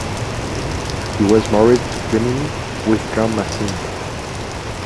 He was married to Damini Wickramasinghe.